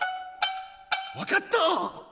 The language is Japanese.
「わかった。